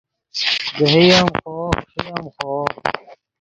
دیہے ام خوو خݰئے ام خوو